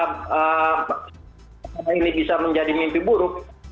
pasangannya bisa menjadi mimpi buruk